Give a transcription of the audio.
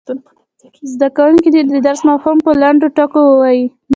زده کوونکي دې د درس مفهوم په لنډو ټکو کې ووايي.